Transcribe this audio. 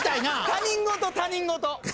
他人事他人事。